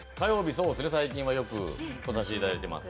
そうですね、最近はよく来させていただいています。